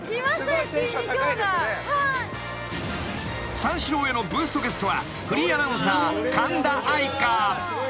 ［三四郎へのブーストゲストはフリーアナウンサー神田愛花］